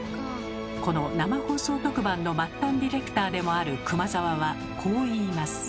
この生放送特番の末端ディレクターでもある熊澤はこう言います。